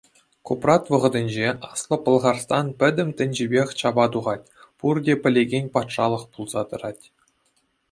Купрат вӑхӑтӗнче Аслӑ Пӑлхарстан пӗтӗм тӗнчипех чапа тухать, пурте пӗлекен патшалӑх пулса тӑрать.